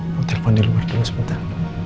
mau telfon di luar dulu sebentar